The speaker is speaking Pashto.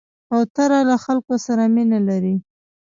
کوتره له خلکو سره مینه لري.